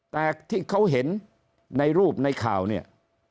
แต่ที่เขาเห็นในรูปในข่าวเนี่ย